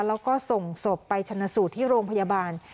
แล้วก็ส่งศพไปชนะสูตรที่โรงพยาบาล